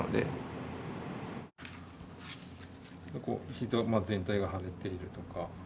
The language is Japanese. ひざ全体が腫れているとか。